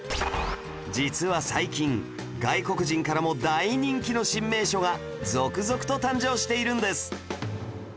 実は最近外国人からも大人気の新名所が続々と誕生しているんです！